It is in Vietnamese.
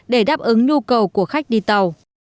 để đáp ứng nhu cầu của khách đi tàu